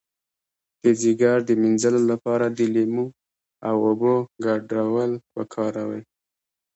د ځیګر د مینځلو لپاره د لیمو او اوبو ګډول وکاروئ